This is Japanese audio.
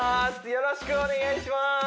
よろしくお願いします